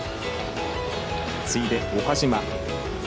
次いで岡島。